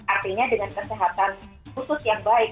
artinya dengan kesehatan khusus yang baik